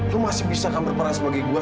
lo masih bisa kan berperan sebagai gue